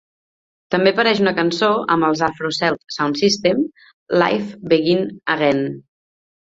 També apareix una cançó amb els Afro Celt Sound System, "Life Begin Again".